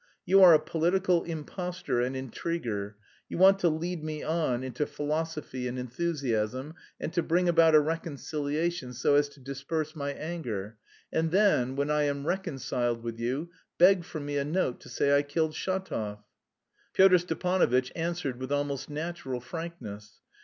"You are a political impostor and intriguer. You want to lead me on into philosophy and enthusiasm and to bring about a reconciliation so as to disperse my anger, and then, when I am reconciled with you, beg from me a note to say I killed Shatov." Pyotr Stepanovitch answered with almost natural frankness.